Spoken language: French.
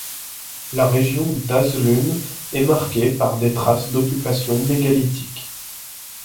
La région d'Haselünne est marqué par des traces d'occupations Mégalithiques.